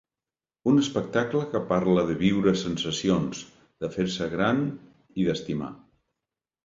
Un espectacle que parla de viure sensacions, de fer-se gran i d’estimar.